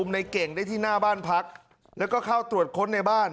ในเก่งได้ที่หน้าบ้านพักแล้วก็เข้าตรวจค้นในบ้าน